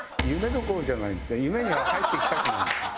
夢には入っていきたくない。